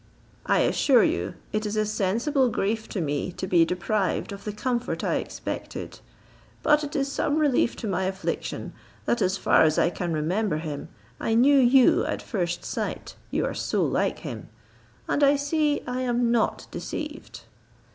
I assure you it is a sensible grief to me to be deprived of the comfort I expected. But it is some relief to my affliction, that as far as I can remember him, I knew you at first sight, you are so like him; and I see I am not deceived."